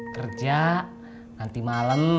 kerja nanti malem